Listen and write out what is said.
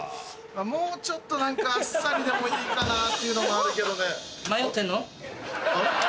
もうちょっと何かあっさりでもいいかなっていうのもあるけどね。